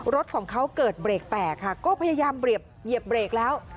รถของเขาเกิดเบรกแตกค่ะก็พยายามเหยียบเบรกแล้ว